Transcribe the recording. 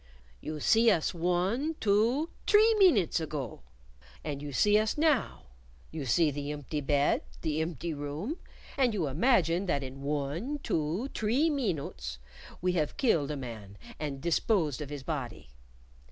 "You see us one, two, tree meenutes ago, and you see us now. You see the empty bed, the empty room, and you imagine that in one, two, tree meenutes we have killed a man and disposed of his body.